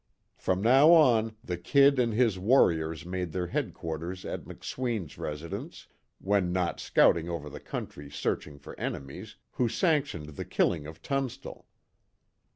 From now on the "Kid" and his "warriors" made their headquarters at McSween's residence, when not scouting over the country searching for enemies, who sanctioned the killing of Tunstall.